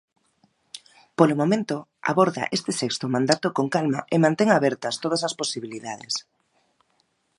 Polo momento, aborda este sexto mandato con calma e mantén abertas todas as posibilidades.